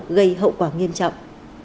gây hậu quả nghiêm trọng